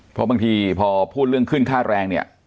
เพราะบางทีพอพูดเรื่องขึ้นค่าแรงเนี่ย